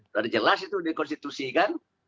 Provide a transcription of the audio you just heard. sudah jelas itu dikonstitusikan